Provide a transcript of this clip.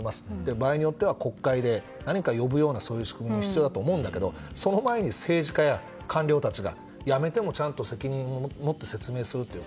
場合によっては国会に呼ぶような仕組みも必要だと思うけどその前に政治家や官僚たちが辞めてもちゃんと責任を持って説明するという。